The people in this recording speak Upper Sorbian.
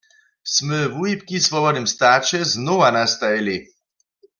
Smy wuhibki w swobodnym staće znowa nastajili.